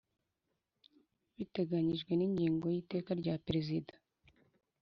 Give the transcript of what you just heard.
biteganyijwe n ingingo ya y Iteka rya perezida